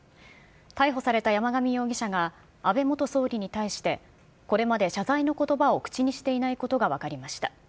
逮捕された山上容疑者が安倍元総理に対して、これまで謝罪のことばを口にしていないことが分かりました。